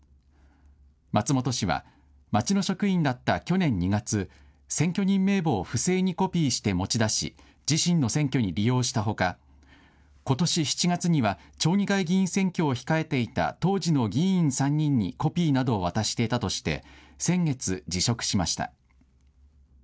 松本氏は町の職員だった去年２月、選挙人名簿を不正にコピーして持ち出し自身の選挙に利用したほか、ことし７月には町議会議員選挙を控えていた当時の議員３人にコピーなどを渡していたとして先月、辞職しました。